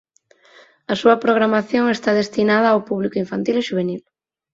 A súa programación está destinada ao público infantil e xuvenil.